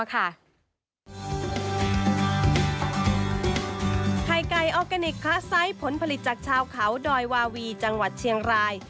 ไข่ไก่ออร์แกนิคคะไซส์ผลผลิตจากชาวเขาดอยวาวีจังหวัดเชียงราย